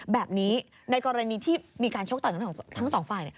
แบบนี้ในกรณีที่มีการชกต่อยกันของทั้งสองฝ่าย